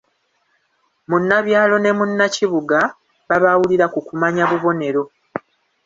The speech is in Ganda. Munnabyalo ne munnakibuga babaawulira ku kumanya bubonero.